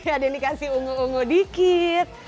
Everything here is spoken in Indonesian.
ada yang dikasih ungu ungu dikit